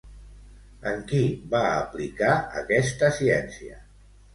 En qui va aplicar aquesta ciència?